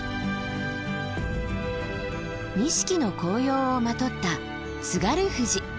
錦の紅葉をまとった津軽富士。